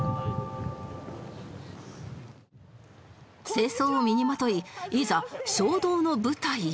正装を身にまといいざ衝動の舞台へ